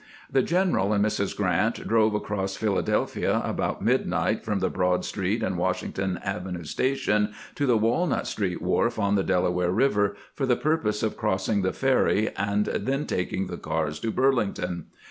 The general and Mrs. Grant drove across Philadelphia about midnight from the Broad street and Washington Avenue station to the Walnut street wharf on the Dela ware Eiver, for the purpose of crossing the ferry and then taking the cars to Burlington.